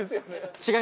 違う？